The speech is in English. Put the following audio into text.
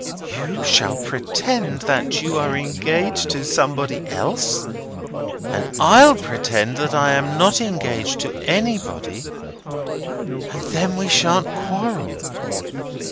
You shall pretend that you are engaged to somebody else, and I'll pretend that I am not engaged to anybody, and then we shan't quarrel."